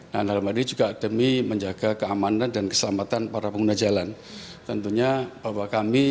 nah dalam hal ini juga demi menjaga keamanan dan keselamatan para pengguna jalan tentunya bahwa kami